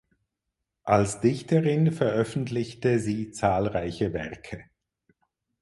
Als Dichterin veröffentlichte sie zahlreiche Werke.